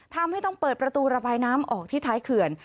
ทำให้ต้องเปิดประตูระบายน้ำออกที่ท้ายเขื่อน